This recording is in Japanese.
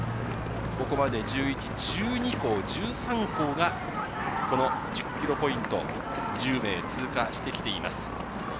ここまで１１、１２校、１３校が１０ｋｍポイント、１０名通過してきています。